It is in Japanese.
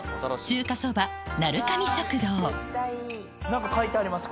何か書いてあります